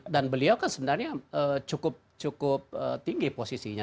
dan beliau kan sebenarnya cukup cukup tinggi posisinya